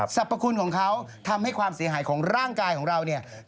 สรรพคุณของเขาทำให้ความเสียหายของร่างกายของเราเนี่ย